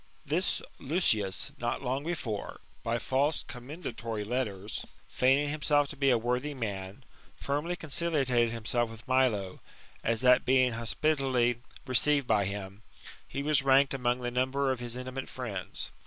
This Lucius, not long before, by false commendatory letters, feigning himself to be a worthy man, firmly conciliated himself with Milo, so that being hospit ably received by him, he was ranked among the number of his intimate friends.